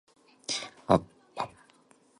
The principal product of Wauregan was cotton sheeting.